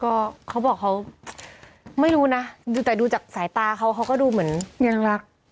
ก็เขาบอกเขาไม่รู้นะดูแต่ดูจากสายตาเขาเขาก็ดูเหมือนยังรัก